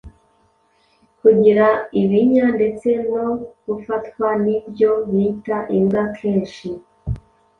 Kugira ibinya ndetse no gufatwa n’ibyo bita “imbwa”kenshi.